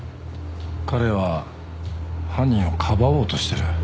彼は犯人をかばおうとしてる。